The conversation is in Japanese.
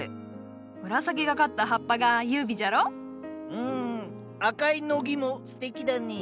うん赤いノギもすてきだねえ。